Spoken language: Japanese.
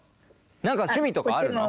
何か趣味とかあるの？